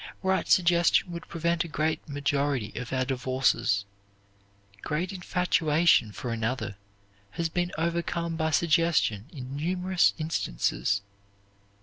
Right suggestion would prevent a great majority of our divorces. Great infatuation for another has been overcome by suggestion in numerous instances.